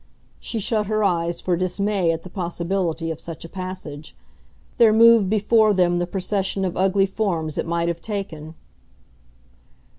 She shut her eyes for dismay at the possibility of such a passage there moved before them the procession of ugly forms it might have taken.